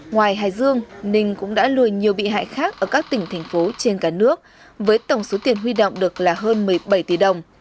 ngoài hải dương ninh cũng đã lừa nhiều bị hại khác ở các tỉnh thành phố trên cả nước với tổng số tiền huy động được là hơn một mươi bảy tỷ đồng